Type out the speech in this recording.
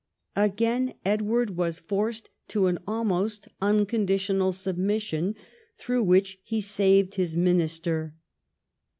Again Edward was forced to an almost unconditional submission, through which he saved his minister.